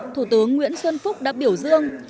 thủ tướng nguyễn xuân phúc đã biểu dương